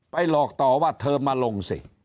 หลอกต่อว่าเธอมาลงสิ